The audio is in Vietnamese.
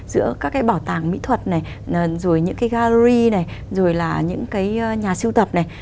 giữa các cái bảo tàng mỹ thuật này rồi những cái gallery này rồi là những cái nhà siêu tập này